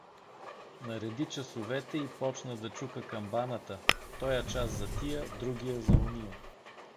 Нареди часовете и почна да чука камбаната, тоя час за тия, другия за ония.